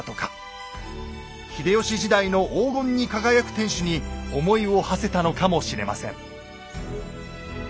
秀吉時代の黄金に輝く天守に思いをはせたのかもしれません。